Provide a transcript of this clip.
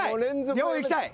いきたい？